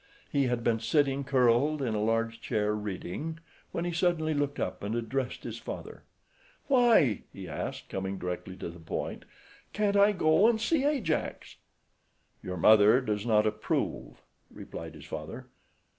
He had been sitting, curled in a large chair, reading, when he suddenly looked up and addressed his father. "Why," he asked, coming directly to the point, "can't I go and see Ajax?" "Your mother does not approve," replied his father.